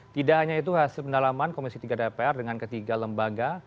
tidak hanya itu hasil pendalaman komisi tiga dpr dengan ketiga lembaga